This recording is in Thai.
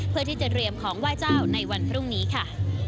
เพื่อที่จะเตรียมของไหว้เจ้าในวันพรุ่งนี้ค่ะ